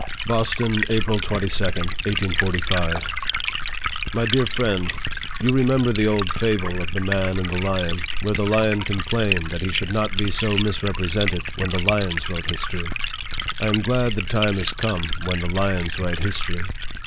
BOSTON, April 22, 1845. My Dear Friend : You remember the old fable of " The Man and the Lion," where the lion, complained that he should not be so misrepresented " when the lions wrote history." I am glad the time has come when the " lions write history."